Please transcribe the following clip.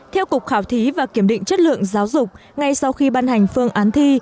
theo cục khảo thí và kiểm định chất lượng giáo dục ngay sau khi ban hành phương án thi